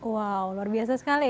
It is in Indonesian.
wow luar biasa sekali